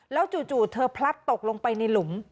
แล้วจู่เธอพลัดตกลงไปในหลุม